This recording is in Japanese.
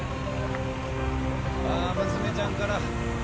あー娘ちゃんから。